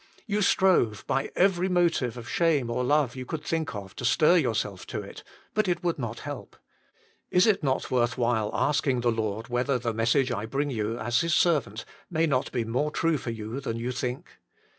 You strove by every motive of shame or love you could think of to stir yourself to it, but it would not help. Is it not worth while asking the Lord whether the message WHO SHALL DELIVER? 89 I bring you as His servant may not be more true for you than you think